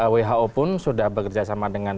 who pun sudah bekerja sama dengan